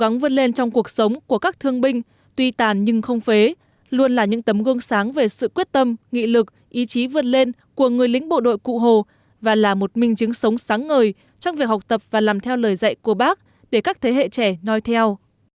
chúng vươn lên trong cuộc sống của các thương binh tuy tàn nhưng không phế luôn là những tấm gương sáng về sự quyết tâm nghị lực ý chí vươn lên của người lính bộ đội cụ hồ và là một minh chứng sống sáng ngời trong việc học tập và làm theo lời dạy của bác để các thế hệ trẻ nói theo